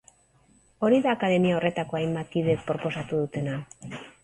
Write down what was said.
Hori da akademia horretako hainbat kidek proposatu dutena.